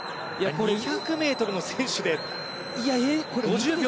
２００ｍの選手で。